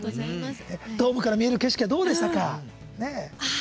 ドームから見える景色はどうでしたか？